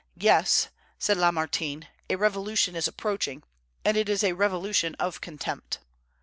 "Yes," said Lamartine, "a revolution is approaching; and it is a revolution of contempt."